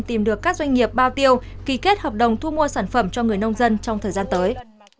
tìm được các doanh nghiệp bao tiêu ký kết hợp đồng thu mua sản phẩm cho người nông dân trong thời gian tới